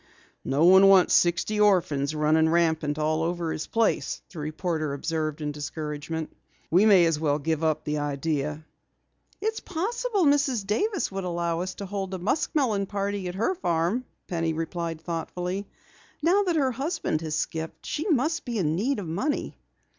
"No one wants sixty orphans running rampant over his place," the reporter observed in discouragement. "We may as well give up the idea." "It's possible Mrs. Davis would allow us to hold a muskmelon party at her farm," Penny replied thoughtfully. "Now that her husband has skipped, she must be in need of money."